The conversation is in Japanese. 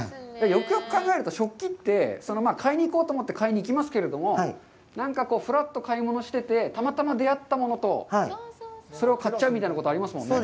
よくよく考えると、食器って、買いに行こうと思って買いに行きますけど、なんかふらっと買い物しててたまたま出会ったものとそれを買っちゃうということありますよね。